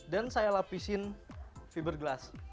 dan saya lapisin fiberglass